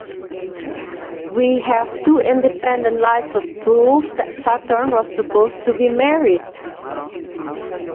We have two independent lines of proof that Saturn was supposed to be married.